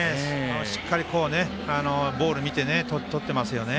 しっかりボール見てとってますよね。